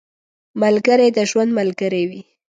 ملګری د ژوند ملګری وي